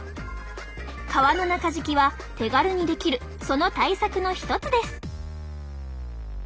革の中敷きは手軽にできるその対策の一つです。